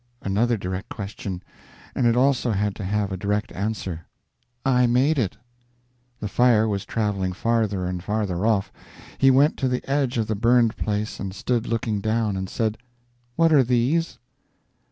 Another direct question, and it also had to have a direct answer. "I made it." The fire was traveling farther and farther off. He went to the edge of the burned place and stood looking down, and said: "What are these?"